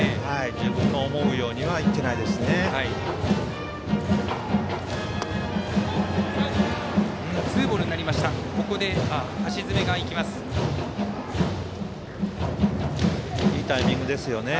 自分が思うようにはいっていないですね。